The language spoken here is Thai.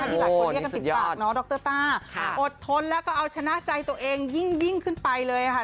ที่หลายคนเรียกกันติดปากเนาะดรต้าอดทนแล้วก็เอาชนะใจตัวเองยิ่งขึ้นไปเลยค่ะ